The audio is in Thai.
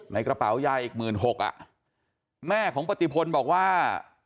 ในกระเป๋ายายอีกหมื่นหกอ่ะแม่ของปฏิพลบอกว่า